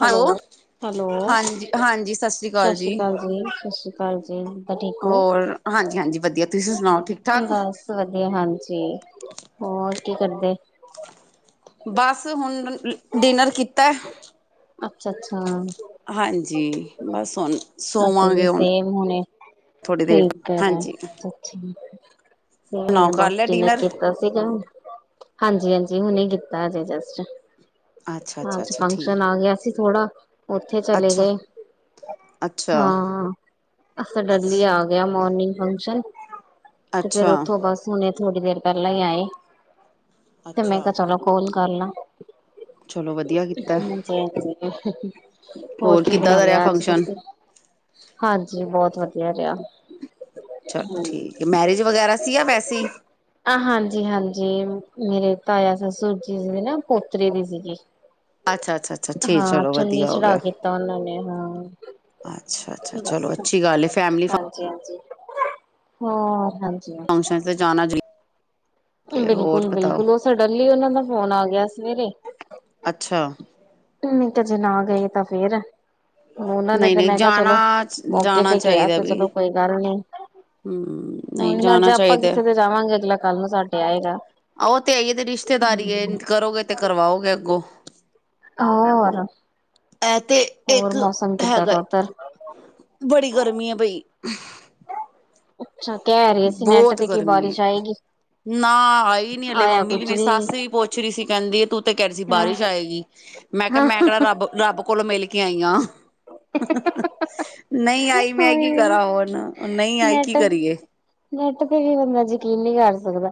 Hello! Hello! ਹਾਂਜੀ ਹਾਂਜੀ ਸਤਿ ਸ਼੍ਰੀ ਅਕਾਲ ਸਸਰੀ ਕਾਲ ਜੀ, ਸਾਸਰੀ ਕਾਲ ਜੀ ਬ ਠੀਕ ਹੋ। ਹੋਰ ਹਾਂਜੀ ਹਾਂਜੀ ਵਧੀਆ ਤੁਸੀਂ ਸੁਣਾਓ ਠੀਕ ਠਾਕ ਬਸ ਵਧੀਆ, ਹਾਂਜੀ- ਹੋਰ ਕੀ ਕਰਦੇ? ਬਸ ਹੁਣ ਨ ਅ ਡਿਨਰ ਕੀਤਾ ਏ। ਅੱਛਾ ਅੱਛਾ ਹਾਂਜੀ! ਬਸ ਹੁਣ, ਅਸੀਂ ਵੀ ਸੋਵਾਂਗੇ ਹੁਣ ਸੇਮ ਹੁਣੇ ਥੋੜ੍ਹੀ ਦੇਰ ਠੀਕ ਕਰਾ ਹਾਂਜੀ ਚ ਅਮ ਅਸੀ ਵੀ ਸੁਣਾਓ ਹੁਣੇ ਕਰ ਬਸ ਲਿਆ ਡਿਨਰ ਕੀਤਾ ਸੀਗਾ ਹਾਂਜੀ! ਹਾਂਜੀ! ਹੁਣੇ ਕੀਤਾ। ਤਾਂ ਜੇ ਜਸਟ ਅੱਛਾ ਅੱਛਾ ਅੱਜ ਅੱਛਾ ਫੰਕਸ਼ਨ ਠੀਕ ਆ ਗਿਆ ਸੀ ਥੋੜਾ। ਉੱਥੇ ਚਲੇ ਅੱਛਾ ਗਏ। ਅੱਛਾ ਹਾਂ! ਅੱਜ ਸਾਡਾ ਅਰਲੀ ਆ ਗਿਆ ਮੋਰਨਿੰਗ ਫੰਕਸ਼ਨ, ਤੇ ਫਿਰ ਅੱਛਾ ਉਥੋਂ ਬਸ ਹੁਣੇ ਥੋੜ੍ਹੀ ਦੇਰ ਪਹਿਲਾਂ ਹੀ ਆਏ। ਤੇ ਮੈਂ ਅੱਛਾ ਕਿਹਾ, ਚਲੋ ਕੋਲ ਕਰ ਲਾ? ਚਲੋ ਵਧੀਆ ਕੀਤਾ ਹੋਰ ਕੀ ਕਿੱਦਾਂ ਬਣਾ ਦਾ ਰਿਹਾ ਲਿਆ ਅੱਜ ਫੰਕਸ਼ਨ ਤੁਸੀਂ? ਹਾਂਜੀ, ਬਹੁਤ ਵਧੀਆ ਰਿਹਾ। ਚਲ ਠੀਕ ਏ, ਮੈਰਿਜ ਵਗੈਰਾ ਸੀ ਜਾਂ ਵੈਸੇ ਹੀ। ਜੀ ਹਾਂਜੀ, ਮੇਰੇ ਤਾਇਆ ਸਸੁਰ ਜੀ ਦੇ ਨਾ ਪੋਤਰੇ ਦੇ ਸੀਗੇ। ਅੱਛਾ ਅੱਛਾ ਅੱਛਾ ਠੀਕ ਹਾਂ ਚਲੋ ਚੁੰਨੀ ਵਧੀਆ ਹੋ ਚੜਾ ਗਿਆ ਕੀਤਾ ਉਹਨਾਂ ਨੇ ਹਾਂ। ਅੱਛਾ- ਅੱਛਾ! ਚਲੋ ਅੱਛੀ ਗੱਲ ਏ ਫੈਮਲੀ ਫੰ ਹਾਂ, ਹਾਂਜੀ। ਫੰਕਸ਼ਨ ਤੇ ਜਾਣਾ ਜੇ। ਬਿਲਕੁਲ -ਬਿਲਕੁਲ, ਉਹ ਸਡਨਲੀ ਉਹਨਾਂ ਦਾ ਫੋਨ ਆ ਗਿਆ ਸੀ। ਅੱਛਾ। ਤੇ ਨਹੀਂ ਤਾਂ ਜੇ ਨਾ ਗਏ ਤਾਂ ਫੇਰ। ਉਹਨਾਂ ਨੇ ਨਹੀਂ ਤੇ ਨਹੀਂ ਮੈਂ ਕਿਹਾ ਜਾਣਾ ਚਲੋ ਮੌਕੇ ਤੇ ਕਿਹਾ ਤੇ ਚਲੋ ਕੋਈ ਗੱਲ ਨਹੀਂ। ਹੂ, ਨਹੀਂ ਜਾਣਾ ਚਾਹੀਦਾ। ਕਿਸੇ ਦੇ ਜਾਵਾਂਗੇ ਅਗਲਾ ਕੱਲ ਨੂੰ ਸਾਡੇ ਆਏਗਾ ਆਹੋ ਤੇ ਹੈ ਇਏ ਤੇ ਰਿਸ਼ਤੇਦਾਰੀ ਕਰੋਗੇ ਤੇ ਕਰਵਾਓਗੇ ਅੱਗੋਂ। ਹੋਰ ਇਹ ਤੇ ਹੋਰ ਇੱਕ ਮੌਸਮ ਕਿੱਦਾਂ ਹੈਗਾ। ਦਾ ਉੱਧਰ ਬੜੀ ਗਰਮੀ ਹੈ ਬਈ। ਅੱਛਾ, ਕਹਿ ਰਹੇ ਸੀ ਨੈੱਟ ਬਹੁਤ ਤੇ ਕੀ ਗਰਮੀ ਹੈ ਬਾਰਿਸ਼ ਆਏਗੀ। ਨਾ, ਆਈ ਨੀ ਹਲੇ ਆਇਆ ਮੰਮੀ ਵੀ ਕੁੱਝ ਮੇਰੀ ਨੀ ਸੱਸ ਵੀ ਪੁੱਛ ਰਹੀ ਸੀ ਕਹਿੰਦੀ ਤੂੰ ਤੇ ਕਹਿ ਰਹੀ ਸੀ ਹਾਂ ਬਾਰਿਸ਼ ਆਏਗੀ ਮੈਂ ਕਿਹਾ ਹਾਂ ਮੈਂ ਕਿਹੜਾ ਰੱਬ-ਰੱਬ ਕੋਲੋਂ ਮਿਲ ਕੇ ਆਈ ਹਾਂ। ਨਹੀਂ ਆਈ ਮੈਂ ਕੀ ਉਹੀ ਕਰਾਂ ਹੁਣ ਉਹ ਨਹੀ ਆਈ ਕੀ ਕਰੀਏ? ਨੈੱਟ ਤੇ ਵੀ ਬੰਦਾ ਯਕੀਨ ਨੀਂ ਕਰ ਸਕਦਾ।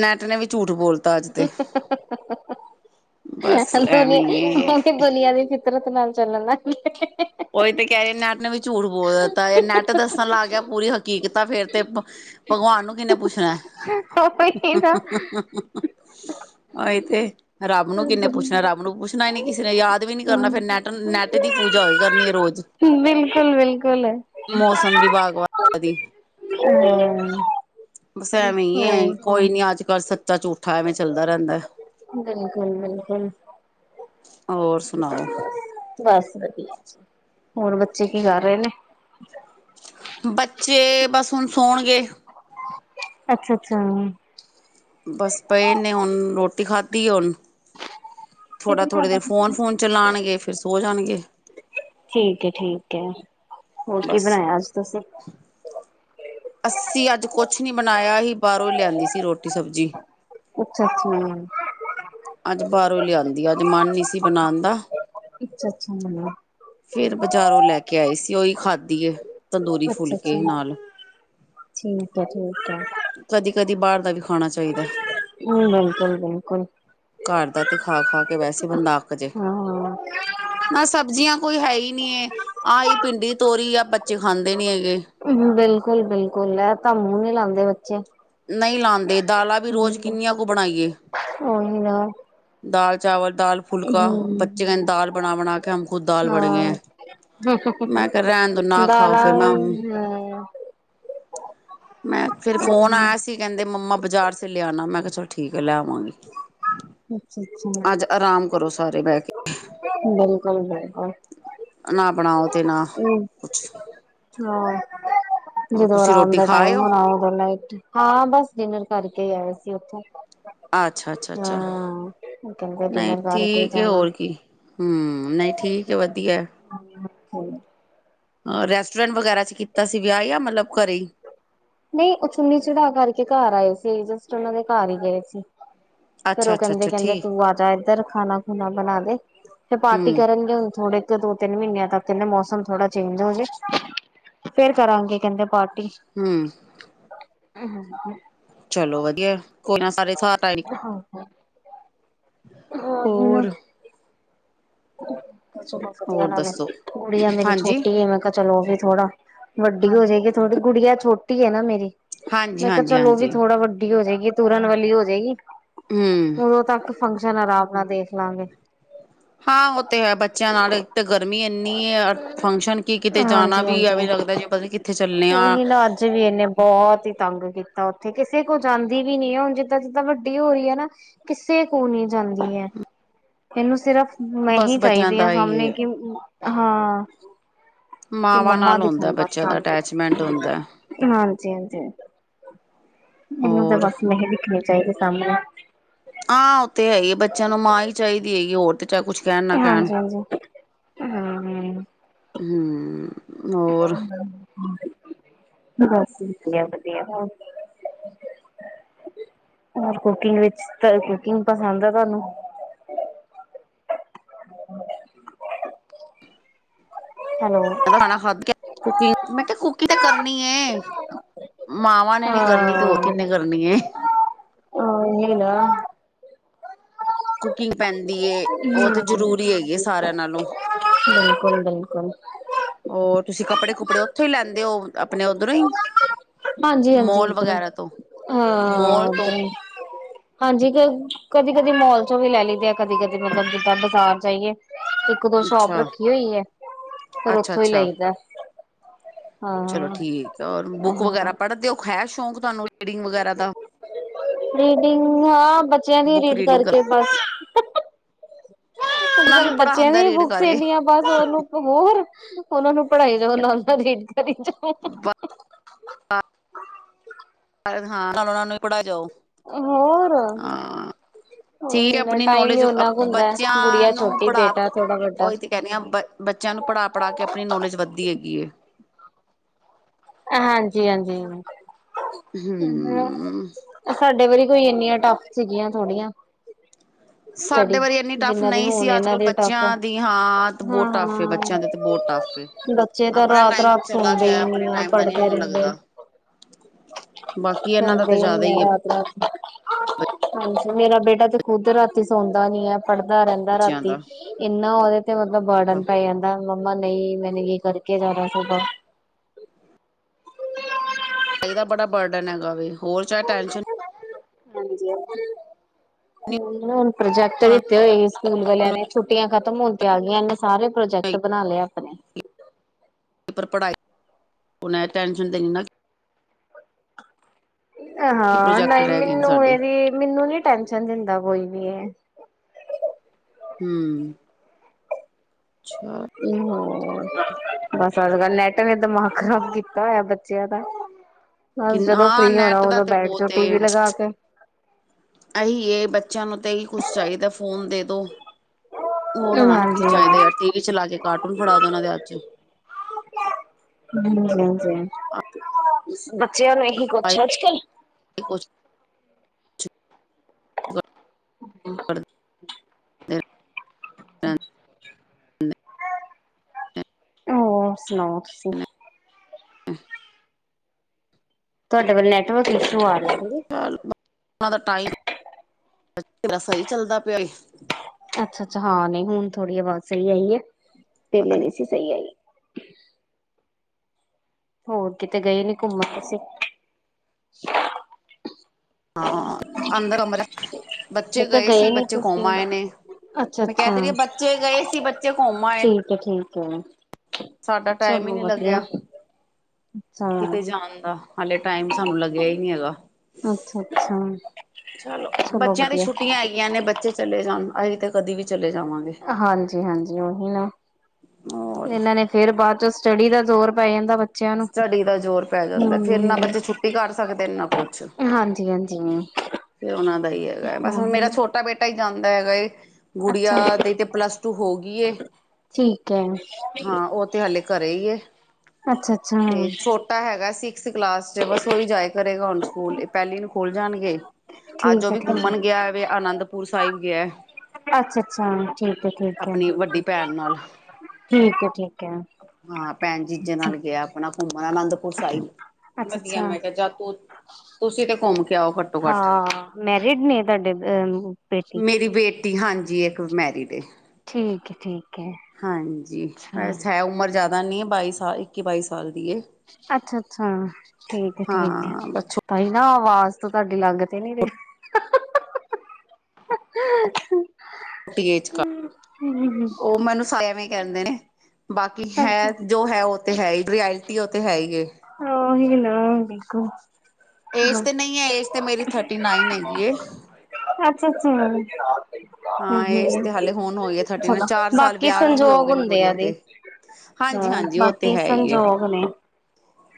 ਨੈਟ ਨੇ ਵੀ ਝੂਠ। ਬੋਲਤਾ ਅੱਜ ਤੇ ਬਸ ਅਲਦੁਨੀ ਐਵੇਂ ਹੀ ਹੈ। ਓਦੀ ਦੁਨੀਆਂ ਵੀ। ਤਿਲਕ ਨਾਲ ਚੱਲਣਾ ਨਾਂ। ਉਤੇ ਕੇ ਉਹੀ ਤੇ ਕਹਿ ਰਹੇ, ਨੈੱਟ ਵੀ ਝੂਠ ਬੋਲ ਦਿੱਤਾ ਨੈੱਟ ਦੱਸਣ ਲੱਗ ਗਿਆ। ਪੂਰੀ ਹਕੀਕਤ ਆ ਫੇਰ ਤੇ ਭਗਵਾਨ ਨੂੰ ਕਿਨੇ ਪੁੱਛਣਾ। ਉਹੀ ਨਾ [inaudible] ਉਹੀ ਤੇ, ਰਬ ਨੂੰ ਕਿੰਨੇ ਪੁੱਛਣਾ, ਰੱਬ ਨੂੰ ਪੁੱਛਣਾ ਹੀ ਨੀ ਕਿਸੇ ਨੇ, ਯਾਦ ਵੀ ਨੀ ਕਰਨਾ। ਫਿਰ ਨੈਟ ਨੈੱਟ ਦੀ ਪੂਜਾ ਹੋਏਗੀ। ਕਰਨੀ ਰੋਜ਼ ਬਿਲਕੁਲ ਬਿਲਕੁਲ ਮੌਸਮ ਵੀਭਾਗ ਵਾ ਦੀ [inaudible] ਬਸ ਐਵੇਂ ਹੀ ਐ ਹੋਰ ਕੋਈ ਨੀ ਅੱਜ ਕੱਲ ਸੱਚਾ ਝੂਠਾ ਐਵੇਂ ਚੱਲਦਾ ਰਹਿੰਦਾ। ਬਿਲਕੁਲ ਬਿਲਕੁਲ ਹੋਰ ਸੁਣਾਓ [inaudible] ਬਸ ਵਧੀਆ ਹੋਰ ਬੱਚੇ ਕੀ ਕਰ ਰਹੇ ਨੇ। ਬੱਚੇ ਬਸ ਹੁਣ ਸੋਣਗੇ। [unintelligible] ਬਸ ਪਏ ਨੇ ਹੁਣ ਰੋਟੀ ਖਾਧੀ ਹੁਣ ਥੋੜਾ ਕਿਹਦੇ ਨਾਲ ਥੋੜ੍ਹੇ ਦੇਰ ਬਣਦੀ ਫੋਨ- ਫੋਨ ਚਲਾਉਣਗੇ ਫਿਰ ਸੋ ਜਾਣਗੇ। ਠੀਕ ਹੈ- ਠੀਕ ਹੈ। ਹੋ ਕੀ ਬਸ ਬਣਾਇਆ ਅੱਜ ਤੁਸੀਂ? ਅੱਸੀ ਅੱਜ ਕੁਛ ਨੀ ਬਣਾਇਆ ਹੀ ਬਾਹਰੋਂ ਹੀ ਲਿਆਂਦੀ ਸੀ ਰੋਟੀ ਸਬਜ਼ੀ ਅੱਛਾ- ਅੱਛਾ [inaudible] ਅੱਜ ਬਾਹਰੋਂ ਲਿਆਂਦੀ ਆ ਅੱਜ ਮਨ ਨਹੀਂ ਸੀ ਬਣਾਣ ਦਾ। ਅੱਛਾ- ਅੱਛਾ ਮ [inaudible] ਫੇਰ ਬਾਜ਼ਾਰੋਂ ਲੈ ਕੇ ਆਏ ਸੀ ਉਹੀ ਖਾਧੀ ਤੰਦੂਰੀ ਅੱਛਾ-ਅੱਛਾ ਫੁੱਲਕੇ ਨਾਲ ਠੀਕ ਹੈ -ਠੀਕ ਹੈ। [inaudible] ਕਦੀ ਕਦੀ ਬਾਹਰ ਦਾ ਵੀ ਖਾਣਾ ਚਾਹੀਦਾ। ਹੂੰ, ਬਿਲਕੁਲ-ਬਿਲਕੁਲ। ਘਰ ਦਾ ਤੇ ਖਾ ਖਾ ਖ ਕੇ ਵੈਸੇ ਬੰਦਾ ਅੱਕ ਜੇ ਹਾਂ। ਮੈਂ ਸਬਜ਼ੀਆਂ ਕੋਈ ਹੈ ਹੀ ਨੀ ਆਹ ਹੀ ਪਿੰਡੀ ਤੋਰੀ ਆ ਬੱਚੇ ਖਾਂਦੇ ਨੀ ਹੈਗ ਬਿਲਕੁਲ -ਬਿਲਕੁਲ ਹੈ ਤਾਂ ਮੂੰਹ ਨੀ ਲਾਉਂਦੇ ਬੱਚੇ ਨਹੀਂ ਲਾਉਦੇ ਦਾਲਾਂ ਵੀ ਰੋਜ਼ ਕਿਆਂ ਕੁ ਬਣਾਈਏ। ਹੀ ਨਾ ਦਾਲ ਚਾਵਲ ਦਾਲ ਫੁਲਕਾ ਹਮ ਬੱਚੇ ਕ ਦਾਲ ਬਣਾ ਬਣਾ ਕੇ ਹਮ ਖੁਦ ਦਾਲ ਬਣ ਗਏ ਹੈ। ਹਾਂ ਮੈਂ ਕਿਹਾ ਰਹਿਣ ਦ ਨਾ ਖਾਓ ਦਾਲਾਂ ਫੇਰ ਮੈਂ ਹਾਂ ਮੈਂ ਫੇਰ ਫੋਨ ਆਇਆ ਸੀ ਕਹਿੰਦੇ ਮੰਮਾ ਬਾਜ਼ਾਰ ਸੇ ਲੈ ਆਣਾ ਮੈਂ ਕਿਹਾ ਚੱਲ ਠੀਕ ਹੈ ਲੈ ਆਵਾਂਗੀ ਅੱਛਾ ਅੱਛਾ ਅੱਜ ਆਰਾਮ ਕਰੋ ਸਾਰੇ ਬਹਿ ਕੇ [unintelligible] ਨਾ ਬਣਾਓ ਤੇ ਨਾ ਕੁਛ ਹੋ। [inaudible] ਹੋਰ ਜਦੋਂ ਤੁਸੀਂ ਆਰਾਮ ਰੋਟੀ ਦਾ ਖਾ ਟਾਈਮ ਆਏ ਹੋ ਹੋਣਾ ਉਦੋਂ ਲਾਈਟ ਹਾਂ ਬਸ ਡਿਨਰ ਕਰਕੇ ਆਏ ਸੀ ਉਥੇ ਅੱਛਾ- ਅੱਛਾ- ਅੱਛਾ ਉਹ ਕਹਿੰਦੇ ਨਹੀਂ ਡਿਨਰ ਕਰਕੇ ਠੀਕ ਹੈ ਜਾਣਾ ਹੋਰ ਕੀ ਹੂੰ ਨਹੀਂ ਠੀਕ ਹੈ ਵਧੀਆ ਹਾਂ। [unintelligible] ਅ ਰੈਸਟੋਰੈਂਟ ਵਗੈਰਾ 'ਚ ਕੀਤਾ ਸੀ ਵਿਆਹ ਜਾਂ ਮਤਲਬ ਘਰੇ ਹੀ ਨਹੀਂ ਉਹ ਚੁੰਨੀ ਚੜਾ ਕਰਕੇ ਘਰ ਆਏ ਸੀ ਜਸਟ ਉਹਨਾਂ ਦੇ ਘਰ ਹੀ ਗਏ ਸੀ। ਫਿਰ ਅੱਛਾ ਉਹ ਅੱਛਾ ਕਹਿੰਦੇ- ਅੱਛਾ ਕਹਿੰਦੇ ਠੀਕ ਤੂੰ ਆਜ ਇੱਧਰ ਖਾਣਾ ਖੁਣਾ ਬਣਾ ਦੇ ਫਿਰ ਪਾਰਟੀ ਹੂੰ ਕਰਨਗੇ ਹੁਣ ਥੋੜੇ ਇੱਕ ਦੋ ਤਿੰਨ ਮਹੀਨਿਆਂ ਤੱਕ ਕਹਿੰਦੇ ਮੌਸਮ ਥੋੜਾ ਚੇਂਜ ਹੋ ਜੇ ਫੇਰ ਕਰਾਂਗੇ ਕਹਿੰਦੇ ਪਾਰਟੀ ਹੂੰ [inaudible] ਚਲੋ ਵਧੀਆ ਕੋਈ ਨਾ ਸਾਰੇ [unintelligible] ਹੋਰ [unintelligible] ਔਰ ਚਲ ਵਧੀਆ ਹੋਰ ਨਾਲੇ ਦੱਸੋ ਗੁੜੀਆ ਮੇਰੀ ਹਾਂਜੀ ਛੋਟੀ ਮੈਂ ਕਿਹਾ ਚਲੋ ਉਹ ਵੀ ਥੋੜਾ ਵੱਡੀ ਹੋ ਜਾਏਗੀ। ਥੋੜੀ ਗੁੜੀਆ ਛੋਟੀ ਹੈ ਨਾ ਮੇਰੀ ਹਾਂਜੀ ਮੈਂ ਕਿਹਾ ਹਾਂਜੀ ਚਲੋ ਉਹ ਵੀ ਹਾਂਜੀ ਥੋੜਾ ਵੱਡੀ ਹੋ ਜਾਏਗੀ। ਇਹ ਤੁਰਨ ਵਾਲੀ ਹੋ ਜਾਏਗੀ। ਹੂੰ ਉਦੋਂ ਤੱਕ ਫੰਕਸ਼ਨ ਆਰਾਮ ਨਾਲ ਦੇਖ ਲਾਂਗੇ। ਹਾਂ ਉਹ ਤੇ ਹੈ ਬੱਚਿਆਂ ਨਾਲ ਇੱਕ ਤਾਂ ਗਰਮੀ ਇੰਨੀ ਹੈ ਫੰਕਸ਼ਨ ਪਤਾ ਕਿੱਥੇ ਚੱਲੇ ਉਹ ਆ ਹੀ ਨਾ ਅੱਜ ਵੀ ਇਨੇ ਬਹੁਤ ਹੀ ਤੰਗ ਕੀਤਾ ਉੱਥੇ ਕਿਸੇ ਕੋਲ ਜਾਂਦੀ ਵੀ ਨ ਹੈ ਹੁਣ ਜਿੱਦਾਂ ਜਿੱਦਾਂ ਵੱਡੀ ਹੋ ਰਹੀ ਹੈ ਨਾ ਕਿਸੇ ਕੋਲ ਨੀ ਜਾਂਦੀ। ਇਨੂੰ ਸਿਰਫ ਮੈਂ ਬਸ ਹੀ ਬੱਚਿਆਂ ਚਾਹੀਦੀ ਹਾਂ ਦਾ ਹੀ ਸਾਹਣੇ ਹੈ, ਕਿ ਹਾਂ। ਤੇ ਮਾਵਾਂ ਮੰਮਾ ਨਾਲ ਹੁੰਦਾ ਦਿਖਣ ਬਸ ਬੱਚਿਆਂ ਸੂੰ ਦਾ ਅਟੈਚਮੈਂਟ ਹੁੰਦਾ ਹਾਂਜੀ ਹਾਂਜੀ। ਇਹਨੂੰ ਤਾਂ ਹੋਰ ਬਸ ਨਹੀਂ ਦਿਖਣੀ ਚਾਹੀਦੀ ਸਮਣੇ। ਹਾਂ ਉਥੇ ਹੈ ਹੀ ਆ ਬੱਚਿਆਂ ਨੂੰ ਮਾਂ ਹੀ ਚਾਹੀਦੀ ਹੈਗੀ ਹੋਰ ਤੇ। ਚਾਹ ਕੁਛ ਕਹਿਣ ਨਾ ਕਹਿਣ ਹਾਂਜੀ ਹਾਂਜੀ ਹਮ ਹਮ। ਹੋਰ? ਬਸ ਵਧੀਆ ਵਧੀਆ। ਹੋਰ ਕੁਕਿੰਗ ਵਿੱਚ ਤਾਂ ਕੁਕਿੰਗ ਪਸੰਦ ਆ ਤੁਹਾਨੂੰ। [inaudible] ਹੈਲੋ ਖਾਣਾ ਖਾਦ ਕੇ ਕਕੀ ਮੈਂ ਕਿਹਾ ਕਕੀ ਤਾਂ ਕਰਨੀ। ਮਾਵਾਂ ਨੇ ਨੀ ਕਰਨੀ ਤੇ ਉਹ ਕਿੰਨੇ ਕਰਨੀ ਹੈ। ਹ ਹੈੇਨਾ। ਕੁਕਿੰਗ ਪੈਂਦੀ ਉਹ ਤਾਂ ਹਮ ਜ਼ਰੂਰੀ ਹੈਗੀ ਹੈ ਸਾਰਿਆਂ ਨਾਲੋਂ। ਬਿਲਕੁਲ ਬਿਲਕੁਲ। ਹੋਰ ਤੁਸੀਂ ਕੱਪੜੇ ਕੁਪੜੇ ਉੱਥੋਂ ਹੀ ਲੈਂਦੇ ਹੋ ਆਪਣੇ ਉਓਧਰੋਂ ਹੀ। ਹਾਂਜੀ ਹਾਂਜੀ ਮੋਲ ਇੱਧਰ ਵਗੈਰਾ ਤੋਂ ਮੋਲ ਹਾਂ ਤੋਂ ਧਰ। ਹਾਂਜੀ ਕ ਕਦੀ ਕਦੀ ਮੋਲ ਚੋਂ ਵੀ ਲੈ ਲੈਂਦੇ ਆ ਕਦੀ ਕਦੀ ਮਤਲਬ ਜਿੱਦਾਂ ਬਾਜ਼ਾਰ ਜਾਈਏ। ਇੱਕ ਦੋ ਸ਼ੋਪ ਅੱਛਾ ਰੱਖੀ ਹੋਈ ਹੈ ਫੇਰ ਅੱਛਾ ਓਥੋਂ ਹੀ ਅੱਛਾ ਲਈਦਾ। ਚਲੋ ਹਾਂ ਠੀਕ ਹੈ ਬੁੱਕ ਵਗੈਰਾ ਹਾਂ ਪੜ੍ਹਨ ਦੇਓ ਹੈ ਸ਼ੌਕ ਤੁਹਾਨੂੰ ਰੀਡਿੰਗ ਵਗੈਰਾ ਦਾ। ਰੀਡਿੰਗ ਹਾਂ ਬੱਚਿਆਂ ਦੀ ਬੁੱਕ ਰੀਡ ਰੀਡਿੰਗ ਕਰ ਕਰਕੇ ਬਸ। ਅੱਜ ਉਹਨਾਂ ਨੂੰ ਕੱਲ ਬੱਚਿਆਂ ਪੜ੍ਹਾਉਣ ਦਾ ਦੀ ਰੀਡ ਬੁੱਕਸ ਕਰਕੇ ਇੰਨੀਆਂ ਬਸ ਉਹ ਨੂੰ ਹੋਰ ਉਹਨਾਂ ਨੂੰ ਪੜ੍ਹਾਈ ਦਨਾ ਉਹਨਾਂ ਦੀ ਕਰੀ ਜਾ। ਹਾਂ ਨਾਲੋਂ ਉਹਨਾਂ ਨੂੰ ਹੀ ਪੜ੍ਹਾ ਜਾਓ। ਹੋਰ? ਹਾਂ ਠੀਕ ਹੈ ਉਹੀ ਨਾ ਆਪਣੀ ਟਾਈਮ ਵੀ ਨੌਲੇਜ ਓਨਾ ਕੁ ਹੁੰਦਾ ਬੱਚਿਆਂ ਬੁੜੀਆ ਨੂੰ ਛੋਟੀ ਪੜ੍ਹਾ ਬੇਟਾ ਥੋੜਾ ਵੱਡਾ। ਉਹੀ ਤੇ ਕਹਿਣੀ ਆ ਬ ਬੱਚਿਆਂ ਨੂੰ ਪੜ੍ਹਾ ਪੜ੍ਹਾ ਕੇ ਆਪਣੀ ਨੌਲੇਜ ਵੱਧਦੀ ਹੈਗੀ। ਹਾਂਜੀ ਹਾਂਜੀ ਹਮ ਸਾਡੇ ਵਾਰੀ ਕੋਈ ਇੰਨੀਆਂ ਟੱਫ ਸੀਗੀਆਂ ਥੋੜੜੀਆਂ। ਸਟਡੀ ਸਾਡੇ ਵਾਰੀ ਇੰਨੀ ਟੱਫ ਜਿੰਨਾਂ ਦੇ ਨਹੀਂ ਸੀ ਹੋਣ ਅੱਜ ਇਹਨਾਂ ਕੱਲ੍ਹ ਦੇ ਟਫ ਹਾ। ਬੱਚਿਆਂ ਦੀ ਹਾਂ ਬਹੁਤ ਟੱਫ ਹੈ, ਬੱਚਿਆਂ ਦੇ ਤੇ ਬਹੁਤ ਟੱਫ ਹੈ। ਬੱਚੇ ਤਾਂ ਆਪਣਾ ਰਾਤ ਟਾਈਮ ਰਾਤ ਚਲਾ ਸੁਣਦੇ ਗਿਆ ਹੀ ਨੀ ਆਪਣੇ ਆ। ਟਾਈਮ ਦਾ ਨੀ ਪੜਦੇ ਇਨਾ ਰਹਿੰਦੇ ਲੱਗਦਾ ਬਾਕੀ ਇਹਨਾਂ ਦਾ ਸੋਂਦੇ ਤਾਂ ਜ਼ਿਆਦਾ ਨੀ ਹੀ ਹੈ ਰਾਤ ਰਾਤ। ਹਾਂਜੀ ਮੇਰਾ ਬੇਟਾ ਤੇ ਖੁੱਦ ਰਾਤੀ ਸੌਂਦਾ ਨੀ ਹੈ ਪੜ੍ਹਦਾ। ਦਾ ਰਹਿੰਦਾ ਬੱਚਿਆਂ ਰਾਤੀ ਦਾ ਇੰਨਾ ਉਹਦੇ ਤੇ ਮਤਲਬ ਬਰਡਨ ਪੈ ਜਾਂਦਾ। ਮੰਮਾ ਨਹੀਂ ਮੈਨੂੰ ਇਹ ਕਰਕੇ ਜਾਣਾ ਸਗਾ। ਸਾਈ ਦਾ ਬੜਾ ਬਰਡਨ ਹੈਗਾਵੇ ਹੋਰ ਚਾਹੇ ਟੈਨਸ਼ਨ ਹੁਣ ਪ੍ਰੋਜੈਕਟ ਦਿੱਤੇ ਹੋਏ ਲ। ਛੁਟੀਆਂ ਖਤਮ ਹੋਣ ਤੇ ਆ ਗਈਆਂ ਇਹਨੇ ਸਾਰੇ ਪ੍ਰੋਜੈਕਟ ਬਣਾ ਲਏ ਆਪਣੇ। ਪਰ ਪੜ੍ਹਾਈ ਉਹਨੇ ਟੈਂਸ਼ਨ ਦੇਣੀ ਨਾ। ਹ ਕਿ ਹਾਂ ਪ੍ਰੋਜੈਕਟ ਨਹੀਂ ਰਹਿ ਗਏ ਨੇ ਮੈਨੂੰ ਸਾਡੇ ਇਹਦੀ ਮੈਨੂੰ ਨੀ ਟੈਸ਼ਨ ਦਿੰਦਾ ਕੋਈ। [inaudible] ਹਮ। ਅੱਛਾ [unintelligible] ਬਸ ਅੱਜ ਕੱਲ ਨੈਟਾ ਨੇ ਦਿਮਾਗ ਖਰਾਬ ਕੀਤਾ ਹੋਇਆ ਬੱਚਿਆਂ ਦਾ ਬਸ ਕਿੰਨਾ ਜਦੋਂ ਹਾਂ ਫ੍ਰਰੀ ਹੋਣਾ, ਨੈਟ ਉਦੋਂ ਬੈਠ ਜੋ ਟੀ ਵੀ ਲਗਾ ਕੇ। ਅਹੀ ਏ, ਬੱਚਿਆਂ ਨੂੰ ਤਾਂ ਏਹੀ ਕੁਛ ਚਾਹੀਦਾ ਫ਼ੋਨ ਦੇ ਦ ਦੋ, ਹੋਰ ਉਹਨਾਂ ਨੂੰ ਕੀ ਹਾਂਜੀ। ਚਾਈਦਾ, ਯਾ ਟੀ ਵੀ ਚਲਾ ਦੇ ਕਾਰਟੂਨ ਫੜਾ ਦੋ ਉਹਨਾਂ ਦੇ ਹੱਥ ਚ। ਹਾਂਜੀ ਹਾਂਜੀ। ਚਲ ਏਹੀ ਕੂਛ ਏ ਅਜ ਕਲ। ਹਮ। [unintelligible] ਹੋਰ ਸੁਣਾਓ ਤੁਸੀ। ਅਹ। ਤੁਆਡੇ ਵਲ ਨੈਟਵਰਕ ਇਸ਼ੂ ਆ ਰਿਹਾ। ਸੀ। ਚੱਲ ਦਾ [inaudible] ਟਾਇਮ [inaudible] ਤੇਰਾ ਸਹੀ ਚੱਲਦਾ ਪਿਆ ਏ। ਅੱਛਾ ਅੱਛਾ, ਹਾਂ ਨਹੀਂ, ਹੁਣ ਥੋੜੀ ਆਵਾਜ ਸਹੀ ਆਈ ਐ। ਪੇਲੇ ਨੀ ਸੀ ਸਹੀ ਆਈ। ਹੋਰ ਕਿਤੇ ਗਏ ਨੀ ਘੁੰਮਣ ਤੁਸੀ। ਹਾਂ ਅੰਦਰ ਅਮਰ, ਮੈਂ ਬੱਚੇ ਕਿਹਾ ਗਏ ਸੀ, ਨੀ ਬੱਚੇ ਘੁੰਮ ਤੁਸੀਂ। ਆਏ ਨੇ। ਅੱਛਾ ਮੈਂ ਕਹਿ ਅੱਛਾ। ਤੇ ਰਹੀ ਆ ਬੱਚੇ ਗਏ ਸੀ, ਬੱਚੇ ਘੁੰਮ ਆਏ ਨੇ। ਹਮ। ਸਾਡਾ ਟਾਈਮ ਈ ਨੀ ਲੱਗਿਆ। ਅੱਛਾ ਕਿਤੇ ਜਾਣ ਦਾ, ਹਾਲੇ ਟਾਈਮ ਸਾਨੂੰ ਲੱਗਿਆ ਈ ਨੀ ਹੈਗਾ। ਅੱਛਾ ਅੱਛਾ। ਚਲੋ, ਬੱਚਿਆਂ ਦੀ ਛੁੱਟੀਆਂ ਹੈਗੀਆਂ ਨੇ, ਬੱਚੇ ਚਲੇ ਜਾਣ ਅਹੀ ਤੇ ਕਦੀ ਵੀ ਚ ਹਾਂਜੀ ਹਾਂਜੀ ਉਹੀ ਨਾ। ਹੋਰ ਇਹਨਾਂ ਨੇ ਫੇਰ ਬਾਅ ਚੋ ਸ ਸਟਡੀ ਦਾ ਜ਼ੋਰ ਪੈ ਜਾਂਦਾ ਵਾ। ਸਟੱਡੀ ਦਾ ਜ਼ੋਰ ਪੈ ਜਾਂਦਾ ਫਿਰ ਨਾ ਬੱਚੇ ਛੁੱਟੀ ਕਰ ਸਕਦੇ ਨਾ ਕੁਛ ਹਾਂਜੀ ਹਾਂਜੀ। ਫੇਰ ਉਹਨਾ ਦਾ ਈ ਹੈਗਾ ਏ। ਬਸ ਉਹੀ ਮੇਰਾ ਨਾ ਛੋਟਾ ਬੇਟਾ ਈ ਜਾਂਦਾ ਹੈਗਾ ਏ। ਅੱਛਾ ਗੁੜੀਆ ਦੀ ਤੇ ਪਲੱਸ ਟੂ ਹੋ ਗੀ ਏ। ਠੀਕ ਹੈ ਹਾਂ ਉਹ ਤੇ ਹਾਲੇ ਘਰੇ ਈ ਏ, ਅੱਛਾ ਅੱਛਾ ਤੇ ਛੋਟਾ ਹੈਗਾ ਸੀ ਕਸ ਕਲਾਸ ਚ ਬਸ ਉਹੀ ਜਾਏ ਕਰੇਗਾ ਹੁਣ ਸਕੂਲ, ਏ ਪਹਿਲੀ ਨੂੰ ਖੁਲ ਜਾਣਗੇ। ਅੱਜ ਠੀਕ ਉਹ ਹੈ ਵੀ ਠੀਕ ਹੈ ਘੁੰਮਣ ਗਿਆ ਵੇ, ਅਨੰਦਪੁਰ ਸਾਹਿਬ ਗਿਐ। ਅੱਛਾ ਅੱਛਾ ਠੀਕ ਹੈ ਠੀਕ ਹੈ ਆਪਣੀ ਵੱਡੀ ਭੈਣ ਨਾਲ। ਠੀਕ ਹੈ ਠੀਕ ਹੈ ਹਾਂ ਭੈਣ ਜੀਜੇ ਨਾਲ ਗਿਆ। ਆਪਣਾ ਘੁੰਮਣ ਆਨੰਦ ਪੁਰ ਸਾਹਿਬ, ਅੱਛਾ ਵਧੀਆ ਅੱਛਾ ਮੈਂ ਕਿਹਾ ਜਾ ਤੂੰ, ਤੁਸੀ ਤੇ ਘੁੰਮ ਕੇ ਆਓ ਘੱਟੋ ਘੱਟ। ਹਾਂ ਮੈਰਿਡ ਨੇ ਤੁਆਡੇ ਅ-ਮ ਬੇਟੀ। ਜੀ, ਹਾਂਜੀ ਇੱਕ ਮੈਰੀਡ ਏ। ਠੀਕ ਹੈ ਠੀਕ ਹੈ ਹਾਂਜੀ, ਅੱਛਾ ਬਸ ਹੈ ਉਮਰ ਜ਼ਿਆਦਾ ਨੀ ਐ ਬਾਈ ਸਾਲ, ਇੱਕੀ ਬਾਈ ਸਾਲ ਦੀ ਏ। ਅੱਛਾ ਅੱਛਾ, ਠੀਕ ਹੈ ਠੀਕ ਹੈ। ਹਾਂ ਬਸ ਭਾਈ ਨਾ ਆਵਾਜ਼ ਤਾਂ ਤੁਹਾਡੀ ਲੱਗ ਤੇ ਨੀ ਰਹੀ। ਰੋਟੀ ਏ ਚ ਕ [inaudible] ਉਹ ਮੈਨੂੰ ਸਾ ਐਂਵੇ [unintelligible] ਕਹਿੰਦੇ ਨੇ। ਬਾਕੀ ਹੈ ਅੱਛਾ ਜੋ ਹੈ ਉਹ ਤੇ ਹੈ ਈ। ਰਿਐਲਟੀ ਉਹ ਤੇ ਹੈ ਈ ਏ। ਓਹੀ ਨਾ, ਦੇਖੋ ਏਜ ਤੇ ਨਹੀਂ ਏ, ਏਜ ਤੇ ਮੇਰੀ ਥਰਟੀ ਨਾਈਨ ਹੈਗੀ ਏ। ਸੱਚੀ। ਹਾਂ ਏਜ ਤੇ ਹਾਲੇ ਹੁਣ ਹੋਈ ਏ ਥਰਟੀ ਨਾਇਨ, ਚਲੋ ਚਾਰ ਸਾਲ ਬਾਕੀ ਵਿਆਹ ਨੂੰ ਵੀ ਹੋ ਸੰਜੋਗ ਗਏ ਨੇ ਹੁੰਦੇ ਆ ਗੁੜੀਆ ਦੇ। ਹਾਂਜੀ ਹਾਂ ਹਾਂਜੀ ਉਹ ਤੇ ਬਾਕੀ ਹੈ ਈ ਏ, ਸੰਜੋਗ ਨੇ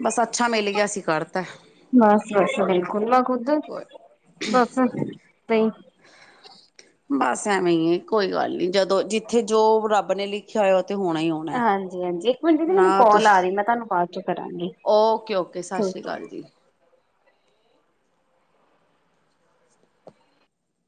ਬਸ ਅੱਛਾ ਮਿਲ ਗਿਆਸੀ ਕਰਤਾ ਐ। ਬਸ ਬਸ ਬਿਲਕੁਲ। ਮੈਂ ਖੁਦ, ਕੋਈ ਬਸ ਤੇ ਬਸ ਐਵੇਂ ਈ ਏ ਕੋਈ ਗੱਲ ਨੀ, ਜਦੋਂ ਜਿੱਥੇ ਜੋ ਰੱਬ ਨੇ ਲਿਖਿਆ ਹੋਇਆ ਓ ਤੇ ਹੋਣਾ ਹੀ ਹੋਣਾ ਐ। ਹਾਂਜੀ ਹਾਂਜੀ ਇੱਕ ਮਿੰਟ ਦੀਦੀ ਮੈਨੂੰ ਨਾ ਕਾਲ ਤੁਸ, ਆ ਰਹੀ ਮੈਂ ਤੁਹਾਨੂੰ ਬਾਅਦ ਚੋਂ ਕਰਾਂਗੀ ਓਕੇ ਓਕੇ ਸਸ ਸ਼੍ਰੀ ਠੀਕ ਹੈ ਕਾਲ ਜੀ।